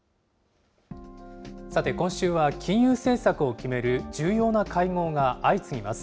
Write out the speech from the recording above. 今週は金融政策を決める重要な会合が相次ぎます。